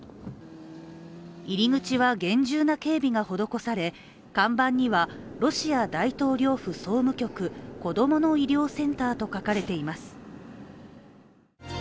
入り口は厳重な警備が施され看板にはロシア大統領府総務局子供の医療センターと書かれています。